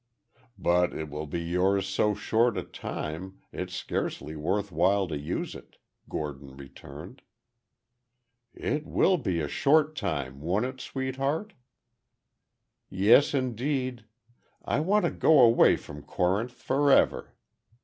"But it will be yours so short a time, it's scarcely worth while to use it," Gordon returned. "It will be a short time, won't it, sweetheart?" "Yes, indeed! I want to go away from Corinth forever.